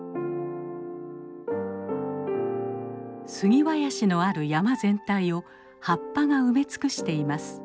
杉林のある山全体を葉っぱが埋め尽くしています。